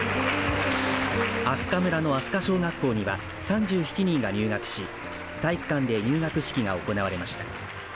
明日香村の明日香小学校には３７人が入学し体育館で入学式が行われました。